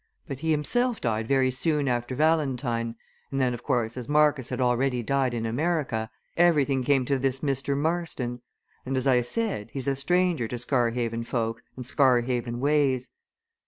But he himself died very soon after Valentine, and then of course, as Marcus had already died in America, everything came to this Mr. Marston. And, as I said, he's a stranger to Scarhaven folk and Scarhaven ways.